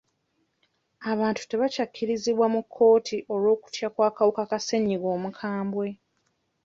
Abantu tebakyakkirizibwa mu kkooti olw'okutya kw'akawuka ka ssenyigga omukambwe.